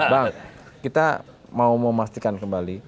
bang kita mau memastikan kembali